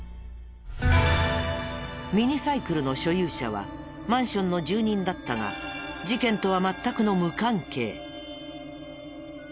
ミニサイクルの所有者はマンションの住人だったが事件とは全くの無関係。